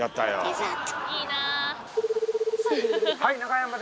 デザート。